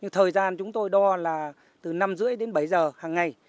thời gian chúng tôi đo là từ năm h ba mươi đến bảy h hàng ngày